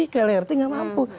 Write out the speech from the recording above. klrt gak mampu